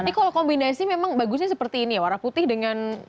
tapi kalau kombinasi memang bagusnya seperti ini ya warna putih dengan